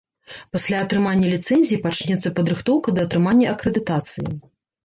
Пасля атрымання ліцэнзіі пачнецца падрыхтоўка да атрымання акрэдытацыі.